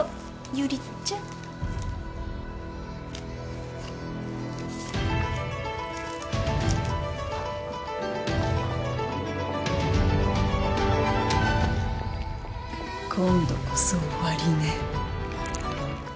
ユリちゃん。今度こそ終わりね。